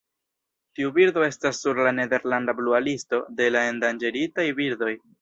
Tiu birdo estas sur la "Nederlanda Blua Listo" de la endanĝeritaj birdoj.